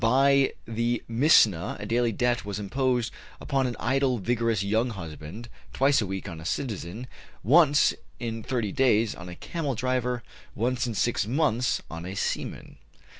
By the Misna a daily debt was imposed upon an idle vigorous young husband; twice a week on a citizen; once in thirty days on a camel driver; once in six months on a seaman."